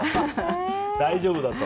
大丈夫だと。